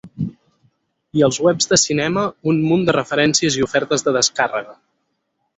I als webs de cinema, un munt de referències i ofertes de descàrrega.